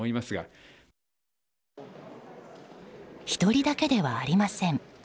１人だけではありません。